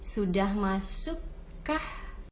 sudah masuk kah